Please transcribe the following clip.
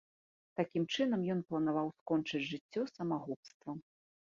Такім чынам ён планаваў скончыць жыццё самагубствам.